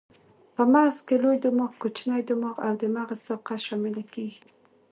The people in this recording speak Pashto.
په مغز کې لوی دماغ، کوچنی دماغ او د مغز ساقه شامله کېږي.